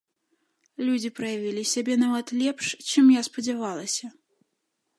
Людзі праявілі сябе нават лепш, чым я спадзявалася.